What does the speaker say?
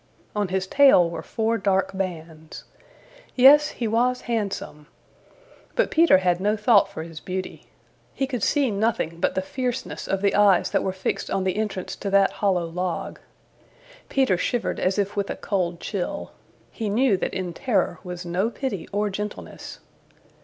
On his tail were four dark bands. Yes, he was handsome. But Peter had no thought for his beauty. He could see nothing but the fierceness of the eyes that were fixed on the entrance to that hollow log. Peter shivered as if with a cold chill. He knew that in Terror was no pity or gentleness.